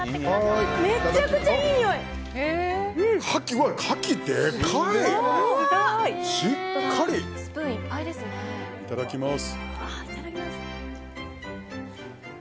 いただきます。